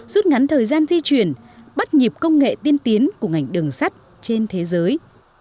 suốt ngắn thời gian di chuyển bắt nhịp công nghệ tiên tiến của ngành đường sắt trên thế giới